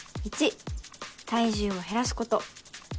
１体重を減らすこと